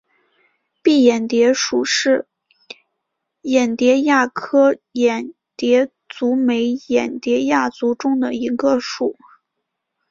蔽眼蝶属是眼蝶亚科眼蝶族眉眼蝶亚族中的一个属。